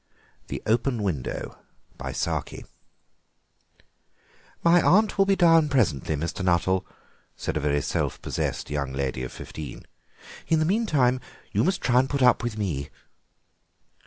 THE OPEN WINDOW "My aunt will be down presently, Mr. Nuttel," said a very self possessed young lady of fifteen; "in the meantime you must try and put up with me."